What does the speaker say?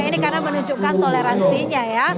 ini karena menunjukkan toleransinya ya